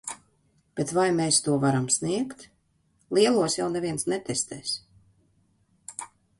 Bet vai mēs to varam sniegt. Lielos jau neviens netestēs.